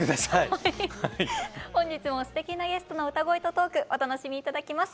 本日もすてきなゲストの歌声とトークお楽しみ頂きます。